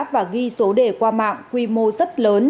và ghi số đề qua mạng quy mô rất lớn